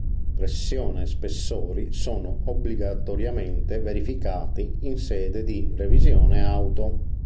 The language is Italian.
Pressione e spessori sono obbligatoriamente verificati in sede di Revisione auto.